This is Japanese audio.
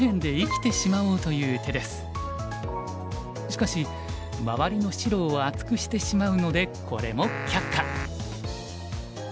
しかし周りの白を厚くしてしまうのでこれも却下。